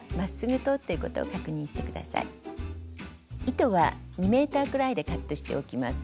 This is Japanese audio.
糸は２ｍくらいでカットしておきます。